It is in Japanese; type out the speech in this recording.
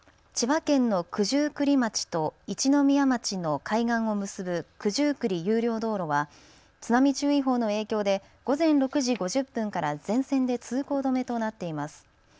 千葉県の九十九里町と一宮町の海岸を結ぶ九十九里有料道路は津波注意報の影響で午前６時５０分から全線で通行止めとなっています。